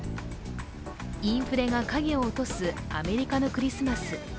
インフレが影を落とすアメリカのクリスマス。